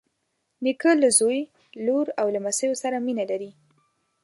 نیکه له زوی، لور او لمسیو سره مینه لري.